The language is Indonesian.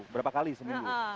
berapa kali seminggu